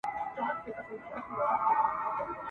یخ یې ووتی له زړه او له بدنه ..